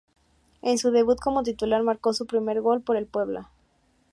En su debut como titular marco su primer gol por el Puebla.